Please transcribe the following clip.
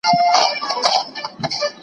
نړیوال ثبات د هیوادونو د همکارۍ پایله ده.